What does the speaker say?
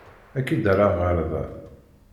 Ad k-id-rreɣ ɣer da.